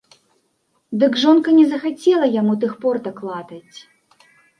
Дык жонка не захацела яму тых портак латаць.